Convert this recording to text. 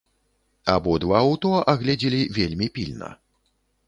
Абодва аўто агледзелі вельмі пільна.